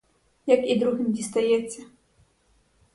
Як і другим дістається.